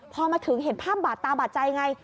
พอมาถึงเห็นภาพบาดตาบาดใจไง